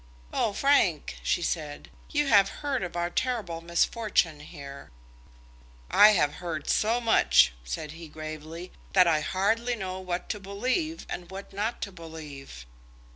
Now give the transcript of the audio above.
"Oh, Frank," she said, "you have heard of our terrible misfortune here?" "I have heard so much," said he gravely, "that I hardly know what to believe and what not to believe."